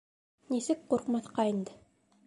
Нисек ҡурҡмаҫҡа инде!